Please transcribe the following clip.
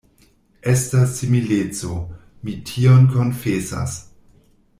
Estas simileco; mi tion konfesas.